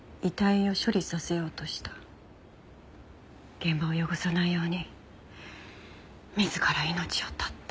現場を汚さないように自ら命を絶った。